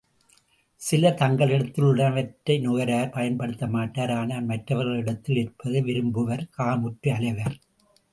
சிலர், தங்களிடத்தில் உள்ளனவற்றை நுகரார் பயன் படுத்தமாட்டார் ஆனால் மற்றவர்களிடத்தில் இருப்பதை விரும்புவர் காமுற்று அலைவர்.